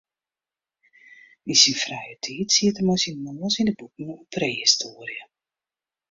Yn syn frije tiid siet er mei syn noas yn de boeken oer prehistoarje.